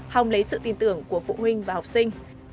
hòng lấy sự tin tưởng của phụ huynh và học sinh